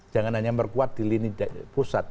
jangan hanya memperkuat di lini pusat